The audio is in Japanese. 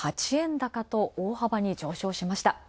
高と大幅に上昇しました。